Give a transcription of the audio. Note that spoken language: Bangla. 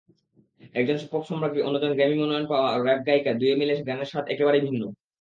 একজন পপসম্রাজ্ঞী, অন্যজন গ্র্যামি মনোনয়ন পাওয়া র্যাপ গায়িকা—দুইয়ে মিলে গানের স্বাদ একেবারেই ভিন্ন।